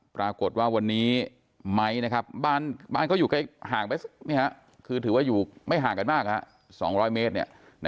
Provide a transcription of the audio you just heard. ทำไมตอนนี้ถึงไม่เชื่อเขาอาผะอ้วนเด็ก